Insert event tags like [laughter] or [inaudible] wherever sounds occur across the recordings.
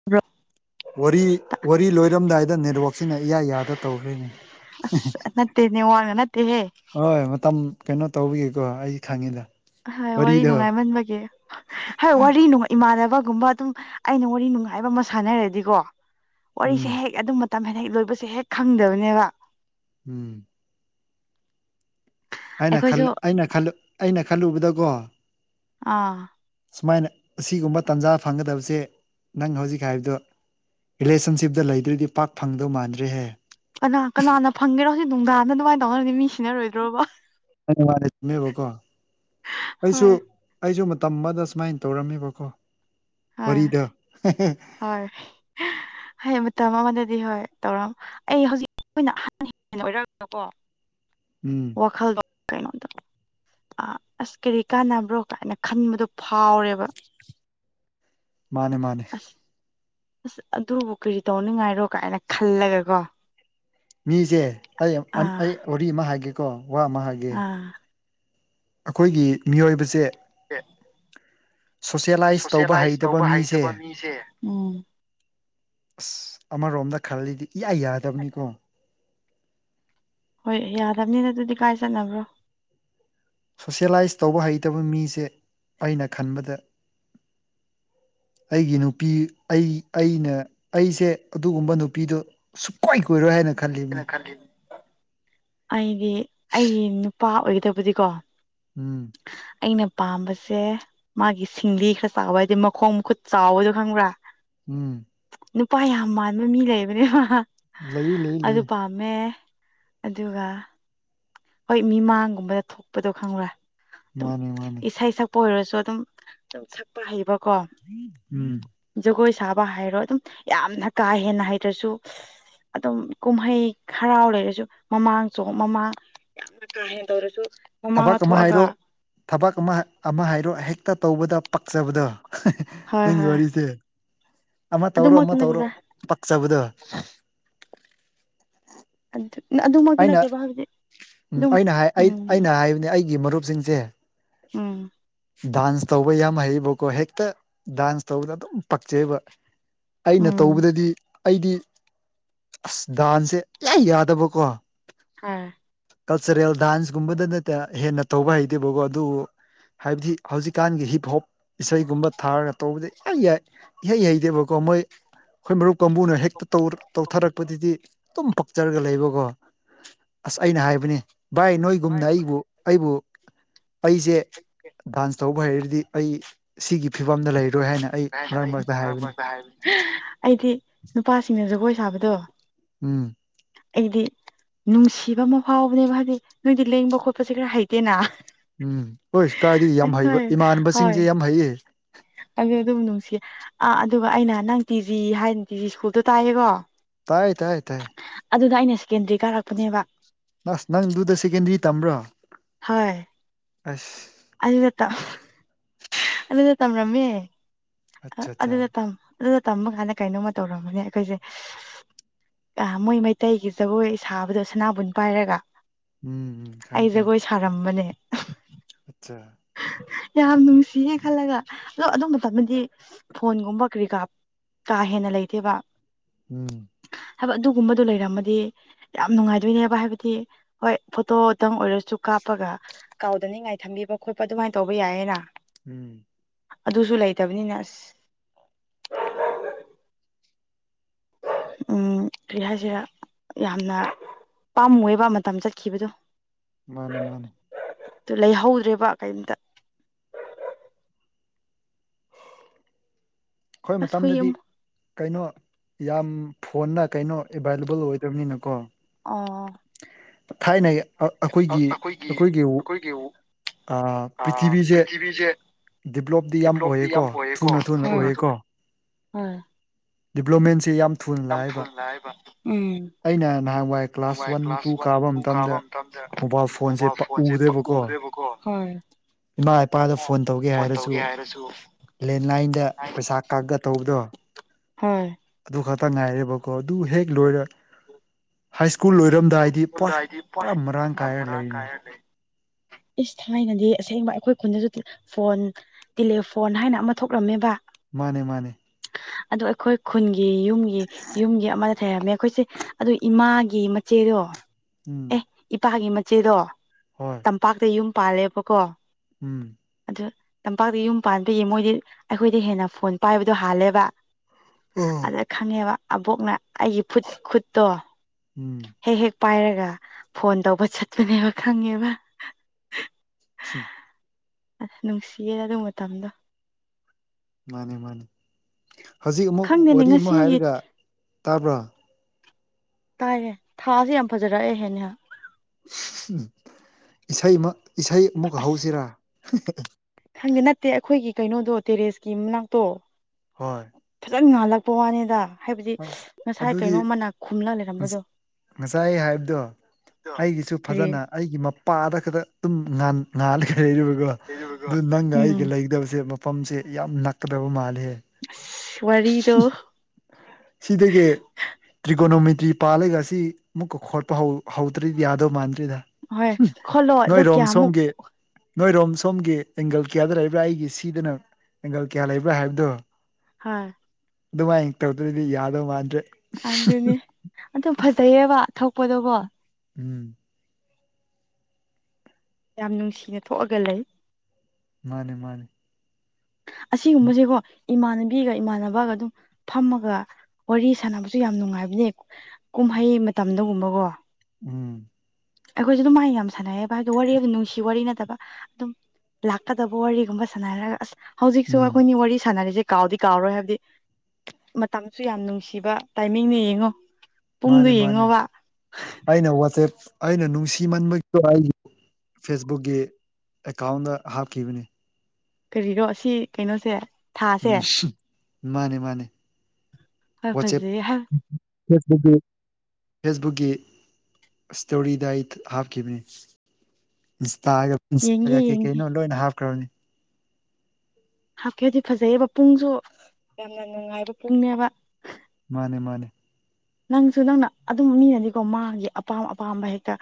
[unintelligible] ꯋꯔꯤ ꯋꯔꯤ ꯂꯣꯏꯔꯝꯗꯥꯏꯗ ꯅꯦꯠꯋꯥꯛꯁꯤꯅ ꯏꯌꯥ ꯌꯥꯗ ꯇꯧꯈ꯭ꯔꯦꯅꯦ ꯑꯁ ꯅꯠꯇꯦ ꯅꯦꯋꯥꯅ ꯅꯠꯇꯦꯍꯦ ꯍꯣꯏ ꯃꯇꯝ ꯀꯩꯅꯣ ꯇꯧꯕꯤꯒꯤꯀꯣ ꯑꯩ ꯈꯪꯉꯤꯗ ꯍꯣꯏ ꯋꯥꯔꯤ ꯋꯥꯔꯤꯗꯣ ꯅꯨꯡꯉꯥꯏꯃꯟꯕꯒꯤ ꯍꯥ ꯋꯥꯔꯤ ꯅꯨꯡꯉꯥꯏ ꯏꯃꯥꯟꯅꯕꯒꯨꯝꯕ ꯑꯗꯨꯝ ꯑꯩꯅ ꯋꯥꯔꯤ ꯅꯨꯡꯉꯥꯏꯕꯃ ꯁꯥꯟꯅꯔꯗꯤꯀꯣ ꯋꯥꯔꯤꯁꯦ ꯎꯝ ꯍꯦꯛ ꯑꯗꯨꯝ ꯇꯃꯟ ꯍꯦꯛ ꯂꯣꯏꯕꯁꯦ ꯍꯦꯛ ꯈꯪꯗꯕꯅꯦꯕ ꯎꯝ ꯑꯩꯅ ꯈꯜ ꯑꯩꯈꯣꯏꯁꯨ ꯑꯩꯅ ꯈꯜ ꯑꯩꯅ ꯈꯜꯂꯨꯕꯗꯀꯣ ꯑꯥ ꯁꯨꯃꯥꯏꯅ ꯁꯤꯒꯨꯝꯕ ꯇꯥꯟꯖꯥ ꯐꯪꯒꯗꯕꯁꯦ ꯅꯪ ꯍꯧꯖꯤꯛ ꯍꯥꯏꯕꯗꯣ ꯔꯦꯁꯟꯁꯤꯞꯇ ꯂꯩꯗ꯭ꯔꯗꯤ ꯄꯥꯛ ꯐꯪꯗꯧ ꯃꯥꯟꯗ꯭ꯔꯦꯍꯦ ꯀꯅꯥ ꯀꯅꯥꯅ ꯐꯪꯒꯦꯔꯣ ꯍꯧꯖꯤꯛ ꯅꯨꯡꯗꯥꯡꯗ ꯑꯗꯨꯃꯥꯏꯅ ꯇꯧꯅꯔꯗꯤ ꯃꯤ ꯁꯤꯅꯔꯣꯏꯗ꯭ꯔꯣꯕ [inaudible] ꯀꯣ ꯑꯩꯩꯁꯨ ꯍꯣꯏ ꯑꯩꯖꯨ ꯃꯇꯝ ꯑꯃꯗ ꯁꯨꯃꯥꯏꯅ ꯇꯧꯔꯝꯃꯦꯕꯀꯣ ꯍꯣꯏ ꯋꯥꯔꯤꯗꯣ ꯍꯣꯏ ꯍꯌꯦ ꯃꯇꯝ ꯑꯃꯗꯗꯤ ꯍꯣꯏ ꯇꯧꯔꯝ ꯑꯩ ꯍꯧꯖꯤꯛ ꯑꯣꯏꯅ [inaudible] ꯎꯝ ꯋꯥꯈꯜ [inaudible] ꯑ ꯑꯁ ꯀꯔꯤ ꯀꯥꯟꯅꯕ꯭ꯔꯣ ꯀꯥꯏꯅ ꯈꯟꯕꯗꯣ ꯐꯥꯎꯔꯦꯕ ꯃꯥꯅꯦ ꯃꯥꯅꯦ ꯑꯁ ꯑꯁ ꯑꯗꯨꯕꯨ ꯀꯔꯤ ꯇꯧꯅꯤꯡꯉꯥꯏꯔꯣ ꯀꯥꯏꯅ ꯈꯜꯂꯒ ꯀꯣ ꯃꯤꯖꯦ ꯑꯩ ꯑꯝ ꯑꯥ ꯑꯩ ꯋꯔꯤ ꯑꯃ ꯍꯥꯏꯒꯦꯀꯣ ꯋꯥ ꯑꯃ ꯍꯥꯏꯒꯦ ꯑꯥ ꯑꯈꯣꯏꯒꯤ ꯃꯤꯑꯣꯏꯕꯁꯦ [unintelligible] [inaudible] ꯁꯣꯁꯦꯂꯥꯏꯁ ꯇꯧꯕ ꯍꯩꯇꯕ ꯃꯤꯁꯦ ꯎꯝ ꯑꯁ ꯑꯃꯔꯣꯝꯗ ꯈꯜꯂꯤꯗꯤ ꯏꯌꯥ ꯌꯥꯗꯝꯅꯤꯀꯣ ꯍꯣꯏ ꯌꯥꯔꯝꯅꯤꯅ ꯑꯗꯨꯗꯤ ꯀꯥꯏ ꯆꯠꯅꯕ꯭ꯔꯣ ꯁꯣꯁꯦꯂꯥꯏꯁ ꯇꯧꯕ ꯍꯩꯇꯕ ꯃꯤꯁꯦ ꯑꯩꯅ ꯈꯟꯕꯗ ꯑꯩꯒꯤ ꯅꯨꯄꯤ ꯑꯩ ꯑꯩꯅ ꯑꯩꯁꯦ ꯑꯗꯨꯒꯨꯝꯕ ꯅꯨꯄꯤꯗꯨ ꯁꯨꯛꯀꯣꯏ ꯀꯣꯏꯔꯣꯏ ꯍꯥꯏꯅ ꯅ ꯈꯜꯂꯤꯕꯅꯤ ꯈꯜꯂꯤꯅꯦ ꯑꯩꯗꯤ ꯑꯩꯒꯤ ꯅꯨꯄꯥ ꯑꯣꯏꯒꯗꯕꯗꯤꯀꯣ ꯎꯝ ꯑꯩꯅ ꯄꯥꯝꯕꯁꯦ ꯃꯥꯒꯤ ꯁꯤꯡꯂꯤ ꯈꯔ ꯆꯥꯎꯕ ꯍꯥꯏꯗꯤ ꯃꯈꯣꯡ ꯃꯈꯨꯠ ꯆꯥꯎꯕꯗꯣ ꯈꯪꯕ꯭ꯔꯥ ꯎꯝ ꯅꯨꯄꯥ ꯌꯥꯝ ꯃꯥꯟꯕ ꯃꯤ ꯂꯩꯕꯅꯦꯕ ꯂꯩꯌꯦ ꯂꯩ ꯑꯗꯨ ꯂꯩ ꯄꯥꯝꯃꯦ ꯑꯗꯨꯒ ꯍꯣꯏ ꯃꯤꯃꯥꯡꯒꯨꯝꯕꯗ ꯊꯣꯛꯄꯗꯣ ꯈꯪꯕ꯭ꯔꯥ ꯑꯗꯨꯝ ꯃꯥꯅꯤ ꯃꯥꯅꯤ ꯏꯁꯩ ꯁꯛꯄ ꯑꯣꯏꯔꯁꯨ ꯑꯗꯨꯝ ꯁꯛꯄ ꯍꯩꯕ ꯎꯝ ꯖꯒꯣꯏ ꯁꯥꯕ ꯍꯥꯏꯔꯣ ꯑꯗꯨꯝ ꯌꯥꯝꯅ ꯀꯥ ꯍꯦꯟꯅ ꯍꯩꯇ꯭ꯔꯁꯨ ꯑꯗꯨꯝ ꯀꯨꯝꯍꯩ ꯈꯥꯔꯥꯎ ꯂꯩꯔꯁꯨ ꯃꯃꯥꯡ ꯆꯣ ꯃꯃꯥꯡ ꯌꯥꯝ ꯀꯥꯍꯦ ꯇꯧꯔꯁꯨ ꯊꯕꯛ ꯃꯃꯥꯡꯗ ꯑꯃ ꯊꯣꯛꯑꯒ ꯍꯥꯏꯔꯣ ꯊꯕꯛ ꯑꯃ ꯑꯃ ꯍꯥꯏꯔꯣ ꯍꯦꯛꯇ ꯇꯧꯕꯗ ꯄꯛꯆꯕꯗꯣ ꯍꯣꯏ ꯅꯪꯒꯤ ꯍꯣꯏ ꯋꯥꯔꯤꯁꯦ ꯑꯃ ꯇꯧꯔꯣ ꯑꯃ ꯑꯗꯨꯃꯛꯇꯤ ꯇꯧꯔꯣ ꯅꯠꯇꯦꯗ ꯄꯛꯆꯕꯗꯣ ꯑꯗꯨ ꯅ ꯑꯗꯨꯃꯛ ꯑꯩꯅ ꯎꯝ ꯑꯩꯅ ꯍꯥꯏ ꯑꯩ ꯎꯝ ꯑꯩꯅ ꯍꯥꯏꯕꯅꯦ ꯑꯩꯒꯤ ꯃꯔꯨꯞꯁꯤꯡꯖꯦ [unintelligible] ꯎꯝ [inaudible] ꯗꯥꯟꯁ ꯇꯧꯕ ꯌꯥꯝ ꯍꯩꯌꯦꯕꯀꯣ ꯍꯦꯛꯇ ꯗꯥꯟꯁ ꯇꯧꯕꯗ ꯑꯗꯨꯝ ꯄꯛꯆꯩꯕ ꯑꯩꯅ ꯎꯝ ꯇꯧꯕꯗꯗꯤ ꯑꯩꯗꯤ ꯑꯁ ꯗꯥꯟꯁꯁꯦ ꯏꯌꯥ ꯌꯥꯗꯕꯀꯣ ꯍꯥ ꯀꯜꯆꯔꯦꯜ ꯗꯥꯟꯁꯀꯨꯝꯕꯗ ꯅꯠꯇ ꯍꯦꯟꯅ ꯇꯧꯕ ꯍꯩꯇꯦꯕꯀꯣ ꯑꯗꯨꯕꯨ ꯍꯥꯏꯕꯗꯤ ꯍꯧꯖꯤꯛꯀꯥꯟꯒꯤ ꯍꯤꯞ ꯍꯣꯞ ꯏꯁꯩꯒꯨꯝꯕ ꯊꯥꯔꯒ ꯇꯧꯕꯗ ꯌꯥꯏ ꯌꯥꯏ ꯏꯍꯩ ꯍꯩꯇꯦꯕꯀꯣ ꯃꯣꯏ ꯈꯣꯏ ꯃꯔꯨꯞ ꯀꯥꯡꯕꯨꯅ ꯍꯦꯛꯇ ꯇꯧꯔ ꯇꯧꯊꯔꯛꯄꯗꯗꯤ ꯗꯨꯝ ꯄꯛꯆꯔꯒ ꯂꯩꯕꯀꯣ ꯑꯁ ꯑꯩꯅ ꯍꯥꯏꯕꯅꯤ ꯚꯥꯏ ꯅꯣꯏꯒꯨꯝꯅ ꯑꯩꯕꯨ ꯑꯩꯕꯨ ꯑꯩꯁꯦ ꯗꯥꯟꯁ ꯇꯧꯕ ꯍꯩꯔꯗꯤ ꯑꯩ ꯁꯤꯒꯤ ꯐꯤꯕꯝꯗ ꯂꯩꯔꯣꯏ ꯍꯥꯏꯅ ꯑꯩ ꯃꯔꯛ ꯃꯔꯛꯇ ꯍꯥꯏꯕꯅꯤ ꯑꯩꯗꯤ ꯅꯨꯄꯥꯁꯤꯡꯅ ꯖꯒꯣꯏ ꯁꯥꯕꯗꯣ ꯎꯝ ꯑꯩꯗꯤ ꯅꯨꯡꯁꯤꯕ ꯑꯃ ꯐꯥꯎꯕꯅꯦꯕ ꯍꯥꯏꯗꯤ ꯅꯣꯏꯗꯤ ꯂꯦꯡꯕ ꯈꯣꯠꯄꯁꯦ ꯈꯔ ꯍꯩꯇꯦꯅ ꯎꯝ ꯍꯣꯏ ꯀꯥꯏꯗꯒꯤ ꯌꯥꯝ ꯍꯣꯏ ꯍꯩꯕ ꯏꯃꯥꯅꯕꯁꯤꯡꯖꯦ ꯌꯥꯝ ꯍꯩꯌꯦ ꯅꯪꯖꯨ ꯑꯗꯨꯝ ꯅꯨꯡꯁꯤꯌꯦ ꯑꯥ ꯑꯗꯨꯒ ꯑꯩꯅ ꯅꯪ ꯇꯤ ꯖꯤ ꯍꯥꯏꯟ ꯇꯤꯖꯤ ꯁ꯭ꯀꯨꯜꯗꯣ ꯇꯥꯏꯌꯦꯀꯣ ꯇꯥꯏ ꯇꯥꯏ ꯇꯥꯏ ꯑꯗꯨꯗ ꯑꯩꯅ ꯁꯤꯀꯦꯟꯗ꯭ꯔꯤ ꯀꯥꯔꯛ ꯑꯁ ꯅꯪ ꯗꯨꯗ ꯁꯦꯀꯦꯟꯗ꯭ꯔꯤ ꯇꯝꯕ꯭ꯔꯣ ꯍꯣꯏ ꯑꯁ ꯑꯗꯨꯗ ꯇꯝ ꯑꯗꯨꯗ ꯇꯝꯔꯝꯃꯦ ꯑ ꯑꯠꯆꯥ ꯑꯠꯆꯥ ꯑꯗꯨꯗ ꯇꯝ ꯑꯗꯨꯗ ꯇꯝꯕ ꯀꯥꯟꯗ ꯀꯩꯅꯣꯝꯃ ꯇꯧꯔꯝꯕꯅꯦ ꯑꯩꯈꯣꯏꯖꯦ ꯑ ꯃꯣꯏ ꯃꯩꯇꯩꯒꯤ ꯖꯒꯣꯏ ꯁꯥꯕꯗꯣ ꯁꯅꯥꯕꯨꯟ ꯄꯥꯏꯔꯒ ꯎꯝ ꯈꯪ ꯑꯩ ꯈꯪ ꯖꯒꯣꯏ ꯁꯥꯔꯝꯕꯅꯦ ꯑꯠꯆꯥ ꯌꯥꯝ ꯅꯨꯡꯁꯤꯌꯦ ꯈꯜꯂꯒ ꯑꯗꯣ ꯑꯗꯨ ꯃꯇꯝꯗꯗꯤ ꯐꯣꯟꯒꯨꯝꯕ ꯀꯔꯤ ꯀꯔꯥ ꯀꯥ ꯍꯦꯟꯅ ꯂꯩꯇꯦꯕ ꯎꯝ ꯍꯥꯏꯕ ꯑꯗꯨꯒꯨꯝꯕꯗꯨ ꯂꯩꯔꯝꯃꯗꯤ ꯌꯥꯝ ꯅꯨꯡꯉꯥꯏꯗꯨꯏꯅꯦꯕ ꯍꯥꯏꯕꯗꯤ ꯍꯣꯏ ꯐꯣꯇꯣꯗꯪ ꯑꯣꯏꯔꯁꯨ ꯀꯥꯞꯄꯒ ꯀꯥꯎꯗꯅꯤꯡꯉꯥꯏ ꯊꯝꯕꯤꯕ ꯈꯣꯠꯄ ꯑꯗꯨꯃꯥꯏꯅ ꯇꯧꯕ ꯌꯥꯏꯌꯦꯅ ꯎꯝ ꯑꯗꯨꯁꯨ ꯂꯩꯇꯕꯅꯤꯅ ꯑꯁ ꯎꯝ ꯀ꯭ꯔꯤ ꯍꯥꯏꯁꯤꯔꯥ ꯌꯥꯝꯅ ꯄꯥꯝꯃꯣꯏꯕ ꯃꯇꯝ ꯆꯠꯈꯤꯕꯗꯨ ꯃꯥꯅꯦ ꯃꯥꯅꯦ ꯇꯨ ꯂꯩꯍꯧꯗ꯭ꯔꯦꯕ ꯀꯩꯝꯇ ꯈꯣꯏ ꯑꯁ ꯍꯨꯏ ꯃꯇꯝꯗꯗꯤ ꯑꯃ ꯀꯩꯅꯣ ꯌꯥꯝ ꯐꯣꯟꯗ ꯀꯩꯅꯣ ꯑꯦꯕꯥꯏꯂꯦꯕꯜ ꯑꯣꯏꯗꯕꯅꯤꯅꯀꯣ ꯑꯣ ꯊꯥꯏꯅꯩ ꯑ ꯑꯩꯈꯣꯏꯒꯤ ꯑꯩꯈꯣꯏꯒꯤ ꯋꯣ ꯑ ꯄ꯭ꯔꯤꯊꯤꯕꯤꯁꯦ ꯗꯤꯕ꯭ꯂꯣꯞꯇꯤ ꯌꯥꯝ ꯑꯣꯏꯌꯦꯀꯣ ꯊꯨꯅꯥ ꯊꯨꯅꯥ ꯑꯣꯏꯌꯦꯀꯣ ꯍꯣꯏ ꯗꯤꯕ꯭ꯂꯣꯃꯦꯟꯁꯤ ꯌꯥꯝ ꯊꯨꯅꯥ ꯂꯥꯛꯑꯦꯕ ꯎꯝ ꯑꯩꯅ ꯅꯍꯥꯟꯋꯥꯏ ꯀ꯭ꯂꯥꯁ ꯋꯥꯟ ꯇꯨ ꯀꯥꯕ ꯃꯇꯝꯗ ꯇꯝꯗ ꯃꯣꯕꯥꯏꯜ ꯐꯣꯟꯖꯦ ꯄꯥꯛ ꯎꯗꯦꯕꯀꯣ ꯏꯃꯥ ꯏꯄꯥꯗ ꯐꯣꯟ ꯇꯧꯒꯦ ꯍꯥꯏꯔꯁꯨ ꯑꯁꯨ ꯂꯦꯟꯂꯥꯏꯟꯗ ꯄꯩꯁꯥ ꯀꯥꯛꯒ ꯇꯧꯕꯗꯣ ꯍꯣꯏ ꯑꯗꯨ ꯈꯇꯥ ꯉꯥꯏꯔꯦꯕꯀꯣ ꯑꯗꯨ ꯍꯦꯛ ꯂꯣꯏꯔꯛ ꯍꯥꯏ ꯁ꯭ꯀꯨꯜ ꯂꯣꯏꯔꯝ ꯗꯥꯏꯗꯤ ꯄ꯭ꯋꯥꯏ ꯄꯨꯔꯥ ꯃꯔꯥꯡ ꯀꯥꯏꯔ ꯂꯩꯔꯤꯅꯤ ꯏꯁ ꯊꯥꯏꯅꯗꯤ ꯑꯁꯦꯡꯕ ꯑꯩꯈꯣꯏ ꯈꯨꯟꯗꯁꯨ ꯐꯣꯟ ꯇꯤꯂꯦꯐꯣꯟ ꯍꯥꯏꯅ ꯑꯃ ꯊꯣꯛꯔꯝꯃꯦꯕ ꯃꯥꯅꯦ ꯃꯥꯅꯦ ꯑꯗꯨ ꯑꯩꯈꯣꯏ ꯈꯨꯟꯒꯤ ꯌꯨꯝꯒꯤ ꯌꯨꯝꯒꯤ ꯑꯃ ꯊꯩꯔꯝꯃꯦ ꯑꯩꯈꯣꯏꯁꯦ ꯑꯗꯨ ꯏꯃꯥꯒꯤ ꯃꯠ ꯆꯦꯗꯣ ꯎꯝ ꯏꯄꯥꯒꯤ ꯃꯆꯦꯗꯣ ꯍꯣꯏ ꯇꯝꯄꯥꯛꯇ ꯌꯨꯝ ꯄꯥꯜꯂꯦꯕꯀꯣ ꯎꯝ ꯑꯗꯨ ꯇꯝꯄꯥꯛꯗ ꯌꯨꯝ ꯄꯥꯟꯕꯤꯒꯤ ꯃꯣꯏꯗꯤ ꯑꯩꯈꯣꯏꯗꯩ ꯍꯦꯟꯅ ꯐꯣꯟ ꯄꯥꯏꯕꯗꯣ ꯍꯥꯜꯂꯦꯕ ꯑꯣ ꯑꯗ ꯈꯪꯉꯦꯕ ꯑꯕꯣꯛꯅ ꯑꯩꯒꯤ ꯐꯨꯠ ꯈꯨꯠꯇꯣ ꯎꯝ ꯍꯦꯛ ꯍꯦꯛ ꯄꯥꯏꯔꯒ ꯐꯣꯟ ꯇꯧꯕ ꯆꯠꯄꯅꯦꯕ ꯈꯪꯉꯦꯕ [unintelligible] [unintelligible] ꯑꯗ ꯅꯨꯡꯁꯤꯌꯦ ꯑꯗꯨ ꯃꯇꯝꯗꯣ ꯃꯥꯅꯤ ꯃꯥꯅꯤ ꯍꯧꯖꯤꯛ ꯑꯃꯨꯛ ꯈꯪꯗꯦꯅꯦ ꯋꯥꯔꯤ ꯑꯃꯨꯛ ꯉꯁꯤꯒꯤ ꯍꯥꯏꯔꯒ ꯇꯥꯕ꯭ꯔꯥ ꯇꯥꯏꯌꯦ ꯊꯥꯁꯦ ꯌꯥꯝ ꯐꯖꯔꯛꯑꯦ ꯍꯦꯟꯅ [unintelligible] ꯏꯁꯩ ꯑꯃ ꯏꯁꯩ ꯑꯃꯨꯛꯀ ꯑꯁ ꯍꯧꯁꯤꯔꯥ [unintelligible] ꯈꯪꯗꯦ ꯅꯠꯇꯦ ꯑꯈꯣꯏꯒꯤ ꯀꯩꯅꯣꯗꯣ ꯇꯦꯔꯦꯁꯀꯤ ꯃꯅꯥꯛꯇꯣ ꯍꯣꯏ ꯐꯖꯟ ꯉꯥꯜꯂꯛꯄ ꯋꯥꯅꯤꯗ ꯍꯥꯏꯕꯗꯤ ꯑꯁ [unintelligible] ꯉꯁꯥꯏ ꯑꯗꯨꯗꯤ ꯀꯩꯅꯣꯝꯃꯅ ꯈꯨꯝꯂ ꯂꯩꯔꯝꯕꯗꯣ ꯉꯁꯥꯏ ꯍꯥꯏꯕꯗꯣ ꯑꯩꯒꯤꯁꯨ ꯀꯔꯤ ꯐꯖꯅ ꯑꯩꯒꯤ ꯃꯄꯥꯗ ꯈꯠꯇ ꯇꯨꯝ ꯉꯥꯜ ꯉꯥꯂꯒ ꯂꯩꯔꯤꯕꯀꯣ ꯑꯗꯨ ꯅꯪꯒ ꯎꯝ ꯑꯩꯒ ꯂꯩꯒꯗꯕꯁꯦ ꯃꯐꯝꯁꯦ ꯌꯥꯝ ꯅꯛꯀꯗꯕ ꯃꯥꯜꯂꯦ ꯑꯁ ꯋꯥꯔꯤꯗꯣ ꯁꯤꯗꯒꯤ ꯇ꯭ꯔꯤꯒꯣꯅꯣꯃꯤꯇ꯭ꯔꯤ ꯄꯥꯜꯂꯒ ꯑꯁꯤ ꯑꯃꯨꯛꯀ ꯈꯣꯠꯄ ꯍꯧ ꯍꯧꯗ꯭ꯔꯗꯤ ꯌꯥꯗꯧ ꯃꯥꯟꯗ꯭ꯔꯤꯗ ꯍꯣꯏ [unintelligible] ꯈꯣꯠꯂꯣ ꯅꯣꯏ ꯑꯗꯣ ꯔꯣꯝ ꯀꯌꯥꯃꯨꯛ ꯁꯣꯝꯒꯤ ꯅꯣꯏꯔꯣꯝ ꯁꯣꯝꯒꯤ ꯑꯦꯡꯒꯜ ꯀ꯭ꯌꯥꯗ ꯂꯩꯥꯕ꯭ꯔꯥ ꯑꯩꯒꯤ ꯁꯤꯗꯅ ꯑꯦꯡꯒꯜ ꯀ꯭ꯌꯥ ꯂꯩꯕ꯭ꯔꯥ ꯍꯥꯏꯕꯗꯣ ꯍꯣꯏ ꯑꯗꯨꯃꯥꯏꯟ ꯇꯧꯗ꯭ꯔꯗꯤ ꯌꯥꯗꯧ ꯃꯥꯟꯗ꯭ꯔꯦ ꯑꯗꯨꯅꯤ ꯑꯗꯨ ꯐꯖꯩꯌꯦꯕ ꯊꯣꯛꯄꯗꯨ ꯀꯣ ꯎꯝ ꯌꯥꯝ ꯅꯨꯡꯁꯤꯅ ꯊꯣꯛꯑꯒ ꯂꯩ ꯃꯥꯅꯦ ꯃꯥꯅꯦ ꯑꯁꯤꯒꯨꯝꯕꯖꯤꯀꯣ ꯏꯃꯥꯟꯅꯕꯤꯒ ꯏꯃꯥꯟꯅꯕꯒ ꯑꯗꯨꯝ ꯐꯝꯃꯒ ꯋꯥꯔꯤ ꯁꯥꯟꯅꯕꯁꯨ ꯌꯥꯝ ꯅꯨꯡꯉꯥꯏꯕꯅꯦ ꯀꯨꯝꯍꯩ ꯃꯇꯝꯗꯒꯨꯝꯕꯀꯣ ꯎꯝ ꯑꯩꯈꯣꯏꯁꯨ ꯑꯗꯨꯝꯃꯥꯏ ꯌꯥꯝ ꯁꯥꯟꯅꯩꯌꯦꯕ ꯑꯗꯣ ꯋꯥꯔꯤ ꯍꯥꯏꯗꯤ ꯅꯨꯡꯁꯤ ꯋꯥꯔꯤ ꯅꯠꯇꯕ ꯑꯗꯨꯝ ꯂꯥꯛꯀꯗꯕ ꯋꯥꯔꯤꯒꯨꯝꯕ ꯁꯥꯟꯅꯥꯔꯒ ꯑꯁ ꯍꯧꯖꯤꯛꯁꯨ ꯎꯝ ꯑꯩꯈꯣꯏꯅꯤ ꯋꯥꯔꯤ ꯁꯥꯟꯅꯔꯤꯖꯦ ꯀꯥꯎꯗꯤ ꯀꯥꯎꯔꯔꯣꯏ ꯍꯥꯏꯕꯗꯤ ꯃꯇꯝꯁꯨ ꯌꯥꯝ ꯅꯨꯡꯁꯤꯕ ꯇꯥꯏꯃꯤꯡꯅꯦ ꯌꯦꯡꯉꯣ ꯄꯨꯡꯗꯣ ꯃꯥꯅꯦ ꯃꯥꯅꯦ ꯌꯦꯡꯉꯣꯕ ꯑꯩꯅ ꯋꯥꯆꯦꯞ ꯑꯩꯅ ꯅꯨꯡꯁꯤꯃꯟꯕꯒꯤꯀꯣ ꯑꯩꯒꯤ ꯐꯦꯁꯕꯨꯛꯀꯤ ꯑꯦꯀꯥꯎꯟꯗ ꯍꯥꯞꯈꯤꯕꯅꯤ ꯀꯔꯤꯔꯣ ꯑꯁꯤ ꯀꯩꯅꯣꯁꯦ ꯊꯥꯁꯦ [unintelligible] ꯃꯥꯅꯦ ꯃꯥꯅꯦ ꯍꯣꯏ ꯋꯥꯆꯦꯞ ꯐꯖꯩ ꯐꯦꯁꯕꯨꯛꯀꯤ ꯐꯦꯁꯕꯨꯛꯀꯤ ꯏꯁꯇꯣꯔꯤꯗ ꯑꯩ ꯍꯥꯞꯈꯤꯕꯅꯤ ꯏꯟꯁꯇꯥꯒ ꯌꯦꯡꯒꯦ ꯏꯟꯁꯇꯥꯒ ꯀꯩ ꯌꯦꯡꯒꯦ ꯀꯩꯅꯣ ꯂꯣꯏꯅ ꯍꯥꯞꯈ꯭ꯔꯕꯅꯤ ꯍꯥꯞꯀꯦꯗꯤ ꯐꯖꯩꯌꯦꯕ ꯄꯨꯡꯁꯨ ꯌꯥꯝꯅ ꯅꯨꯡꯉꯥꯏꯕ ꯄꯨꯡꯅꯦꯕ ꯃꯥꯅꯦ ꯃꯥꯅꯦ ꯅꯪꯁꯨ ꯅꯪꯅ ꯑꯗꯨꯝ ꯃꯤꯅꯗꯤꯀꯣ ꯃꯥꯒꯤ ꯑꯄꯥꯝ ꯑꯄꯥꯝꯕ ꯍꯦꯛꯇ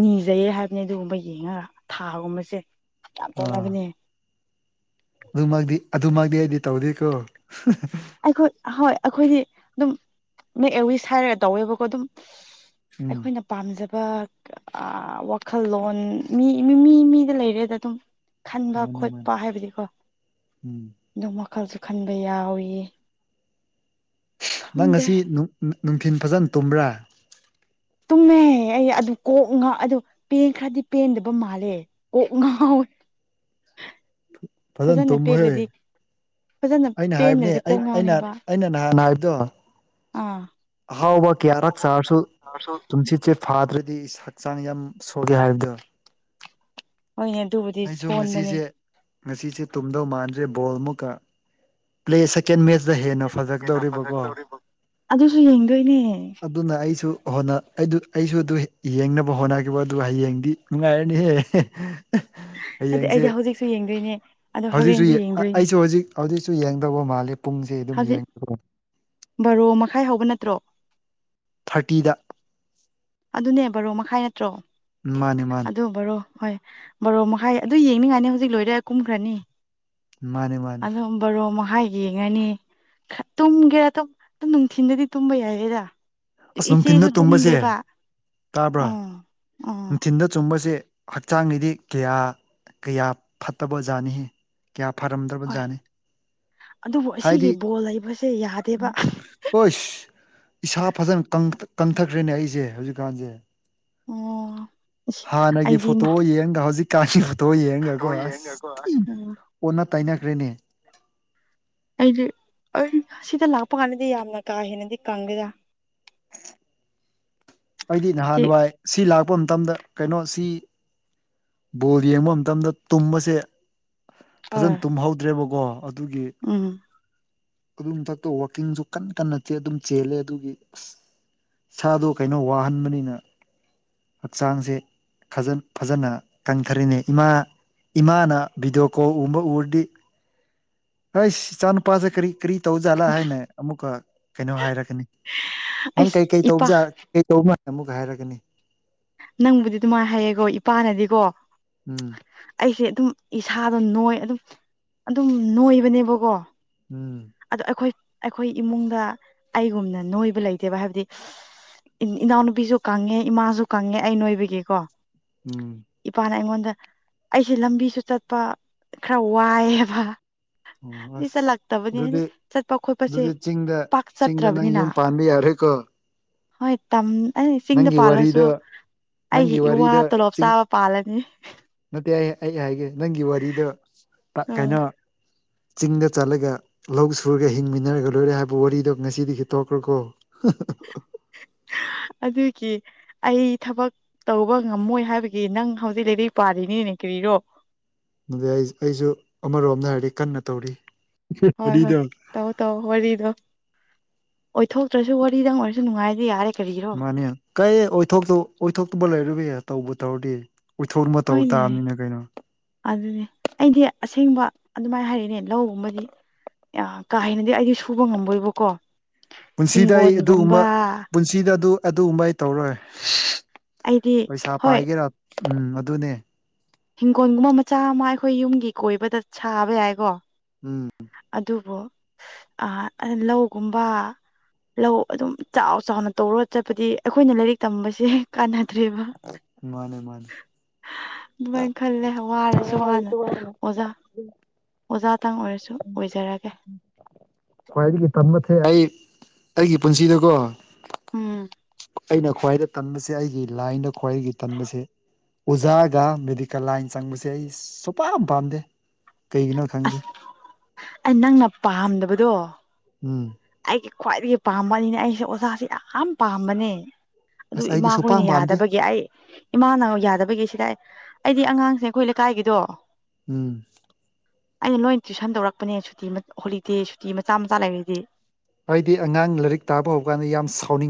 ꯅꯤꯖꯩꯌꯦ ꯍꯥꯏꯕꯅꯦ ꯑꯗꯨꯒꯨꯝꯕ ꯌꯦꯡꯉꯒ ꯊꯥꯒꯨꯝꯕꯁꯦ ꯌꯥꯝ ꯇꯧꯅꯕꯅꯦ ꯑꯗꯨꯃꯛꯗꯤ ꯑꯗꯨꯃꯛꯗꯤ ꯑꯩꯗꯤ ꯇꯧꯗꯦꯀꯣ ꯑꯩꯈꯣꯏ ꯍꯣꯏ ꯑꯈꯣꯏꯗꯤ ꯑꯗꯨꯝ ꯃꯦꯛ ꯑꯦ ꯋꯤꯁ ꯍꯥꯏꯔ ꯇꯧꯋꯦꯕꯀꯣ ꯑꯗꯨꯝ ꯎꯝ ꯑꯩꯈꯣꯏꯅ ꯄꯥꯝꯖꯕ ꯑ ꯋꯥꯈꯜꯂꯣꯟ ꯃꯤ ꯃꯤ ꯃꯤ ꯃꯤꯗ ꯂꯩꯔꯦꯗ ꯑꯗꯨꯝ ꯈꯟꯕ ꯃꯥꯅꯦ ꯃꯥꯅꯦ ꯈꯣꯠꯄ ꯍꯥꯏꯕꯗꯤꯀꯣ ꯎꯝ ꯑꯗꯨꯝ ꯋꯈꯜꯁꯨ ꯈꯟꯕ ꯌꯥꯎꯏ ꯅꯪ ꯈꯪꯗꯦ ꯉꯁꯤ ꯅꯨꯡ ꯅꯨ ꯅꯨꯡꯊꯤꯟ ꯐꯖꯟꯅ ꯇꯨꯝꯕ꯭ꯔꯥ ꯇꯨꯝꯃꯦ ꯑꯩ ꯑꯗꯨ ꯀꯣꯛ ꯉ ꯑꯗꯨ ꯄꯦꯟ ꯈ꯭ꯔꯗꯤ ꯄꯦꯟꯗꯕ ꯃꯥꯜꯂꯦ ꯀꯣꯛ ꯉꯥꯎꯋꯦ ꯐꯖꯅ ꯇꯨꯝꯃꯨꯍꯦ ꯐꯖꯅ ꯑꯩꯅ ꯍꯥꯏꯕꯅꯦ ꯄꯦꯟꯗ꯭ꯔꯗꯤ ꯀꯣꯛ ꯑꯩ ꯑꯩꯅ ꯉꯥꯎꯅꯦꯕ ꯑꯩꯅ ꯅꯍꯥꯟ ꯍꯥꯏꯕꯗꯣ ꯑꯥ ꯑꯍꯥꯎꯕ ꯀꯌꯥꯔꯛ ꯆꯥꯔꯁꯨ ꯇꯨꯝꯁꯤꯠ ꯆꯦ ꯐꯥꯗ꯭ꯔꯗꯤ ꯍꯛꯆꯥꯡ ꯌꯥꯝ ꯁꯣꯜꯂꯦ ꯍꯥꯏꯕꯗꯣ ꯍꯣꯏꯅꯦ ꯗꯨꯕꯨ ꯑꯩꯁꯨ ꯉꯁꯤꯁꯦ ꯉꯁꯤꯁꯦ ꯇꯨꯝꯗꯧ ꯃꯥꯟꯗ꯭ꯔꯦ ꯕꯣꯜ ꯃꯨꯛꯀ ꯄ꯭ꯂꯦ ꯁꯦꯀꯦꯟ ꯃꯦꯠꯆꯇ ꯍꯦꯟꯅ ꯐꯖꯀꯗꯧꯔꯤꯕꯀꯣ ꯑꯗꯨꯁꯨ ꯌꯦꯡꯗꯣꯏꯅꯦ ꯑꯗꯨꯅ ꯑꯩꯁꯨ ꯍꯣꯠꯅ ꯑꯗꯨ ꯑꯩꯁꯨ ꯑꯗꯨ ꯌꯦꯡꯅꯕ ꯍꯣꯠꯅꯒꯦꯕ ꯑꯗꯨ ꯍꯌꯦꯡꯗꯤ ꯅꯨꯡꯉꯥꯏꯔꯅꯤꯍꯦ ꯑꯗꯣ ꯍꯌꯦꯡꯁꯦ ꯑꯩꯗꯤ ꯍꯧꯖꯤꯛꯁꯨ ꯌꯦꯡꯗꯣꯏꯅꯦ ꯑꯗꯣ ꯍꯧꯖꯤꯛꯁꯨ ꯍꯣꯔꯦꯟꯁꯨ ꯌꯦ ꯌꯦꯡꯗꯣꯏꯅꯦ ꯑꯩꯁꯨ ꯍꯧꯖꯤꯛ ꯍꯧꯖꯤꯛꯁꯨ ꯌꯦꯡꯗꯧꯕ ꯃꯥꯜꯂꯦ ꯄꯨꯡꯁꯦ ꯑꯗꯨꯝ ꯌꯦꯡꯕꯗ ꯕꯔꯣ ꯃꯈꯥꯏ ꯍꯧꯕ ꯅꯠꯇ꯭ꯔꯣ ꯊꯥꯔꯇꯤꯗ ꯑꯗꯨꯅꯦ ꯕꯔꯣ ꯃꯈꯥꯏ ꯅꯠꯇ꯭ꯔꯣ ꯃꯥꯅꯦ ꯃꯥꯅꯦ ꯑꯗꯨ ꯕꯔꯣ ꯍꯣꯏ ꯕꯔꯣ ꯃꯈꯥꯏ ꯑꯗꯨ ꯌꯦꯡꯅꯤꯡꯉꯥꯏꯅꯤ ꯍꯧꯖꯤꯛ ꯂꯣꯏꯔ ꯀꯨꯝꯈ꯭ꯔꯅꯤ ꯃꯥꯅꯦ ꯃꯥꯅꯦ ꯑꯗꯨ ꯕꯔꯣ ꯃꯍꯥꯏ ꯌꯦꯡꯉꯅꯤ ꯇꯨꯝꯒꯦꯔ ꯑꯗꯨꯝ ꯅꯨꯡꯊꯤꯟꯗꯗꯤ ꯇꯨꯝꯕ ꯌꯥꯏꯌꯦꯗ ꯑꯁ ꯅꯨꯡꯊꯤꯟꯗ ꯏꯆꯦꯁꯨ ꯇꯨꯝꯕꯁꯦ ꯇꯨꯝꯗꯦꯕ ꯇꯥꯕ꯭ꯔꯥ ꯑꯥ ꯑꯥ ꯆꯤꯟꯗ ꯆꯨꯝꯕꯁꯦ ꯍꯛꯆꯥꯡꯒꯤꯗꯤ ꯀꯌꯥ ꯀꯌꯥ ꯐꯠꯇꯕꯖꯥꯠꯅꯤꯍꯦ ꯀꯌꯥ ꯐꯔꯝꯗ꯭ꯔꯕ ꯍꯣꯏ ꯖꯥꯠꯅꯤ ꯑꯗꯨꯕꯨ ꯑꯁꯤꯒꯤ ꯍꯥꯏꯗꯤ ꯕꯣꯜ ꯂꯩꯕꯁꯦ ꯌꯥꯗꯦꯕ ꯍꯣꯏꯁ ꯏꯁꯥ ꯐꯖꯅ ꯀꯪ ꯀꯪꯊꯈ꯭ꯔꯦꯅꯦ ꯑꯩꯁꯦ ꯍꯧꯖꯤꯛꯀꯥꯟꯁꯦ ꯑꯣ ꯑꯁ ꯍꯥꯟꯅꯒꯤ ꯑꯩꯗꯤ ꯐꯣꯇꯣ ꯃꯥ ꯌꯦꯡꯒ ꯍꯧꯖꯤꯛ ꯀꯥꯟꯒꯤ ꯐꯣꯇꯣ ꯌꯦꯡꯒꯀꯣ ꯑꯁ ꯊꯤ ꯎꯝ ꯑꯣꯟꯅ ꯇꯩꯅꯈ꯭ꯔꯦꯅꯦ ꯑꯩꯗꯤ ꯑꯥ ꯁꯤꯗ ꯂꯥꯛꯄ ꯀꯥꯟꯗꯗꯤ ꯌꯥꯝꯅ ꯀꯥ ꯍꯦꯟꯅꯗꯤ ꯀꯪꯗꯦꯗ ꯑꯩꯗꯤ ꯅꯍꯥꯟ ꯇꯤꯛ ꯋꯥꯏ ꯁꯤ ꯂꯥꯛꯄ ꯃꯇꯝꯗ ꯀꯩꯅꯣ ꯁꯤ ꯕꯣꯜ ꯌꯦꯡꯕ ꯃꯇꯝꯗ ꯇꯨꯝꯕꯁꯦ ꯐꯖꯟ ꯍꯣꯏ ꯇꯨꯝꯍꯧꯗ꯭ꯔꯦꯕꯀꯣ ꯑꯗꯨꯒꯤ ꯎꯝ ꯗꯨꯒꯤ ꯃꯊꯛꯇ ꯋꯥꯛꯀꯤꯡꯁꯨ ꯀꯟꯅ ꯀꯟꯅ ꯆꯦ ꯗꯨꯝ ꯆꯦꯜꯂꯦ ꯑꯗꯨꯒꯤ ꯑꯁ ꯁꯥꯗꯣ ꯀꯩꯅꯣ ꯋꯥꯍꯟꯕꯅꯤꯅ ꯍꯛꯆꯥꯡꯁꯦ ꯐꯖꯟ ꯐꯖꯅ ꯀꯪꯊꯔꯦꯅꯦ ꯏꯃꯥ ꯏꯃꯥꯅ ꯚꯤꯗꯤꯑꯣ ꯀꯣꯜ ꯎꯝꯕ ꯎꯔꯗꯤ ꯍꯩꯁ ꯏꯆꯥꯅꯨꯄꯥꯖꯦ ꯀꯔꯤ ꯀꯔꯤ ꯇꯧꯖꯥꯠꯂꯥ ꯍꯥꯏꯅ ꯑꯃꯨꯛꯀ ꯀꯩꯅꯣ ꯍꯥꯏꯔꯛꯀꯅꯤ ꯅꯪ ꯑꯩꯁ ꯀꯩꯀꯩ ꯏꯄꯥ ꯇꯧꯕꯖꯥꯠ ꯀꯩ ꯇꯧꯕ ꯃꯥꯟ ꯑꯃꯨꯛꯀ ꯍꯥꯏꯔꯒꯅꯤ ꯅꯪꯕꯨꯗꯤ ꯑꯗꯨꯃꯥꯏ ꯍꯥꯏꯌꯦꯀꯣ ꯏꯄꯥꯅꯗꯤꯀꯣ ꯎꯝ ꯑꯩꯁꯦ ꯑꯗꯨꯝ ꯏꯁꯥꯗꯣ ꯅꯣꯏ ꯑꯗꯨꯝ ꯑꯗꯨꯝ ꯅꯣꯏꯕꯅꯦꯕꯀꯣ ꯎꯝ ꯑꯗꯣ ꯑꯩꯈꯣꯏ ꯑꯩꯈꯣꯏ ꯏꯃꯨꯡꯗ ꯑꯩꯒꯨꯝꯅ ꯅꯣꯏꯕ ꯂꯩꯇꯦꯕ ꯍꯥꯏꯕꯗꯤ ꯏ ꯏꯅꯥꯎꯅꯨꯄꯤꯖꯨ ꯀꯪꯉꯦ ꯏꯃꯥꯖꯤ ꯀꯪꯉꯦ ꯑꯩ ꯅꯣꯏꯕꯒꯤꯀꯣ ꯎꯝ ꯏꯄꯥꯅ ꯑꯩꯉꯣꯟꯗ ꯑꯩꯁꯦ ꯂꯝꯕꯤꯁꯨ ꯆꯠꯄ ꯈꯔ ꯋꯥꯏꯑꯦꯕ ꯑꯣ ꯑꯁ [unintelligible] ꯑꯗꯨꯗꯤ ꯍꯥꯏꯗꯤ ꯆꯠꯄ ꯈꯣꯠꯄꯁꯦ ꯑꯗꯨꯗꯤ ꯆꯤꯡꯗ ꯄꯥꯛ ꯆꯤꯡꯗ ꯅꯪ ꯆꯠꯇ꯭ꯔꯕꯅꯤꯅ ꯌꯨꯝ ꯄꯥꯟꯕ ꯌꯥꯔꯦꯀꯣ ꯍꯣꯏ ꯇꯝ ꯑꯩ ꯆꯤꯡꯗ ꯅꯪꯒꯤ ꯄꯥꯜꯂꯁꯨ ꯋꯥꯔꯤꯗꯣ ꯅꯪꯒꯤ ꯑꯩꯒꯤ ꯏꯋꯥ ꯋꯥꯔꯤꯗꯣ ꯇꯣꯂꯣꯞ ꯆꯤꯡ ꯆꯥꯕ ꯄꯥꯜꯂꯅꯤ ꯅꯠꯇꯦ ꯑꯩ ꯑꯩ ꯍꯥꯏꯒꯦ ꯅꯪꯒꯤ ꯋꯥꯔꯤꯗꯣ ꯄ ꯎꯝ ꯀꯩꯅꯣ ꯆꯤꯡꯗ ꯆꯠꯂꯒ ꯂꯧ ꯁꯨꯔꯒ ꯍꯤꯡꯃꯤꯟꯅꯔꯒ ꯂꯣꯏꯔꯦ ꯍꯥꯏꯕ ꯋꯥꯔꯤꯗꯣ ꯉꯁꯤꯗꯒꯤ ꯇꯣꯛꯈ꯭ꯔꯣꯀꯣ ꯑꯗꯨ ꯀꯤ ꯑꯩ ꯊꯕꯛ ꯇꯧꯕ ꯉꯝꯃꯣꯏ ꯍꯥꯏꯕꯒꯤ ꯅꯪ ꯍꯧꯖꯤꯛ ꯔꯩꯔꯛ ꯄꯥꯔꯤꯅꯤꯅꯦ ꯀꯔꯤꯔꯣ ꯑꯗꯨꯗ ꯑꯩ ꯑꯩꯁꯨ ꯑꯃꯔꯣꯝꯗ ꯍꯥꯏꯔꯗꯤ ꯀꯟꯅ ꯇꯧꯔꯤ ꯍꯣꯏ ꯍꯣꯏ ꯋꯥꯔꯤꯗꯣ ꯇꯧ ꯇꯧ ꯋꯥꯔꯤꯗꯣ ꯑꯣꯏꯊꯣꯛꯇ꯭ꯔꯁꯨ ꯋꯥꯔꯤꯗꯪ ꯑꯣꯏꯔꯁꯨ ꯅꯨꯡꯉꯥꯏꯗꯤ ꯌꯥꯔꯦ ꯀꯔꯤ ꯐꯅꯤ ꯀꯩ ꯑꯣꯏꯊꯣꯛꯇ ꯑꯣꯏꯊꯣꯛꯇꯕ ꯂꯩꯔꯣꯏꯌꯦ ꯇꯧꯕꯨ ꯇꯧꯔꯗꯤ ꯎꯏꯊꯣꯛꯅꯕ ꯇꯧ ꯍꯣꯏꯅꯦ ꯇꯥꯝꯅꯤꯅ ꯀꯩꯅꯣ ꯑꯗꯨꯅꯦ ꯑꯩꯗꯤ ꯑꯁꯦꯡꯕ ꯑꯗꯨꯃꯥꯏ ꯍꯥꯏꯔꯤꯅꯦ ꯂꯧꯒꯨꯝꯕꯗꯤ ꯑ ꯀꯥ ꯍꯦꯅꯗꯤ ꯑꯩꯗꯤ ꯁꯨꯕ ꯉꯃꯣꯏꯕꯀꯣ ꯄꯨꯟꯁꯤꯗ ꯑꯩ ꯑꯗꯨꯒꯨꯝꯕ ꯍꯤꯡꯒꯣꯟꯒꯨꯝꯕ ꯄꯨꯟꯁꯤꯗ ꯑꯗꯨ ꯑꯗꯨꯒꯨꯝꯕ ꯑꯩ ꯇꯧꯔꯣꯏ ꯑꯩꯗꯤ ꯄꯩꯁꯥ ꯍꯣꯏ ꯄꯥꯏꯒꯦꯔꯥ ꯎꯝ ꯑꯗꯨꯅꯦ ꯍꯤꯡꯒꯣꯟꯒꯨꯝꯕ ꯃꯆꯥ ꯑꯃ ꯑꯩꯈꯣꯏ ꯌꯨꯝꯒꯤ ꯀꯣꯏꯕꯗ ꯁꯥꯕ ꯌꯥꯏꯀꯣ ꯎꯝ ꯑꯗꯨꯕꯨ ꯑ ꯂꯧꯒꯨꯝꯕ ꯂꯧ ꯑꯗꯨꯝ ꯆꯥꯎ ꯆꯥꯎꯅ ꯇꯧꯔꯒ ꯆꯠꯄꯗꯤ ꯑꯩꯈꯣꯏꯅ ꯂꯥꯏꯔꯤꯛ ꯇꯝꯕꯁꯦ ꯌꯥꯏ ꯀꯥꯟꯅꯗ꯭ꯔꯦꯕ ꯃꯥꯅꯦ ꯃꯥꯅꯦ ꯑꯗꯨꯃꯥꯏ ꯈꯜꯂꯦ ꯋꯥꯔꯖꯨ ꯋꯥꯅ ꯑꯣꯖꯥ ꯑꯣꯖꯥꯇꯪ ꯑꯣꯏꯔꯁꯨ ꯑꯣꯏꯖꯔꯒꯦ ꯈ꯭ꯋꯥꯏꯗꯒꯤ ꯇꯝꯕ ꯊꯦ ꯑꯩ ꯑꯩꯒꯤ ꯄꯨꯟꯁꯤꯗꯀꯣ ꯎꯝ ꯑꯩꯅ ꯈ꯭ꯋꯥꯏꯗ ꯇꯟꯕꯁꯦ ꯑꯩꯒꯤ ꯂꯥꯏꯟꯗ ꯈ꯭ꯋꯥꯏꯗꯒꯤ ꯇꯟꯕꯁꯦ ꯑꯣꯖꯥꯒ ꯃꯦꯗꯤꯀꯦꯜ ꯂꯥꯏꯟ ꯆꯪꯕꯁꯦ ꯑꯩ ꯁꯨꯄꯥꯝ ꯄꯥꯝꯗꯦ ꯀꯩꯒꯤꯅꯣ ꯈꯪꯗꯦ ꯑꯁ ꯑ ꯅꯪꯅ ꯄꯥꯝꯗꯕꯗꯣ ꯎꯝ ꯑꯩꯒꯤ ꯈ꯭ꯋꯥꯏꯗꯒꯤ ꯄꯥꯝꯕꯅꯤꯅ ꯑꯩꯁꯦ ꯑꯣꯖꯥꯁꯦ ꯌꯥꯝ ꯄꯥꯝꯕꯅꯦ ꯑꯗꯨ ꯑꯁ ꯑꯩꯗꯤ ꯁꯨꯄꯥꯝ ꯏꯃꯥꯈꯣꯏꯅ ꯄꯥꯝꯗꯦ ꯌꯥꯗꯕꯒꯤ ꯑꯩ ꯏꯃꯥꯅ ꯌꯥꯗꯕꯒꯤ ꯁꯤꯗꯥ ꯑꯩ ꯑꯩꯗꯤ ꯑꯉꯥꯡꯁꯦ ꯑꯩꯈꯣꯏ ꯂꯩꯀꯥꯏꯒꯤꯗꯣ ꯎꯝ ꯑꯩꯅ ꯂꯣꯏꯟ ꯇꯨꯏꯁꯟ ꯇꯧꯔꯛꯄꯅꯦ ꯁꯨꯇꯤ ꯍꯣꯂꯤꯗꯦ ꯁꯨꯇꯤ ꯃꯆꯥ ꯃꯆꯥ ꯂꯩꯔꯦꯗꯤ ꯍꯥꯏꯗꯤ ꯑꯉꯥꯡ ꯂꯥꯔꯤꯛ ꯇꯥꯛꯄ ꯍꯧꯀꯥꯟꯗ ꯌꯥꯝ ꯁꯥꯎꯅꯤꯡ